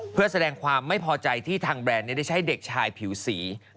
เพื่อแสดงความไม่พอใจที่ทางแบรนด์ได้ใช้เด็กชายผิวสี